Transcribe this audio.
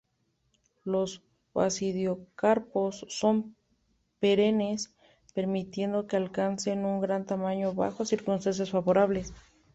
Los basidiocarpos son perennes, permitiendo que alcancen un gran tamaño bajo circunstancias favorables.